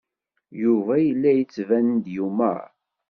Yuba yella yettban-d yumar.